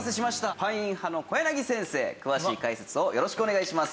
パイン派の小柳先生詳しい解説をよろしくお願いします。